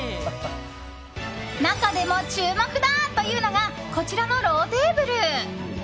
中でも注目だというのがこちらのローテーブル。